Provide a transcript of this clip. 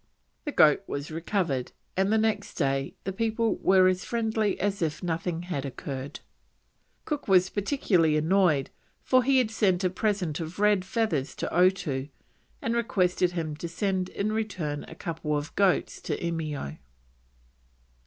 The goat was recovered, and the next day the people were as friendly as if nothing had occurred. Cook was particularly annoyed, for he had sent a present of red feathers to Otoo, and requested him to send in return a couple of goats to Eimeo.